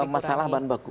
masalah bahan baku